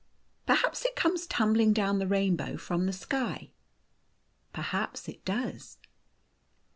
" Perhaps it comes tumbling down the rainbow from the sky." " Perhaps it does."